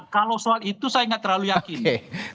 kalau soal itu saya nggak terlalu yakin